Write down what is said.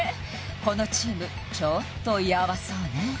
このチームちょっとヤバそうね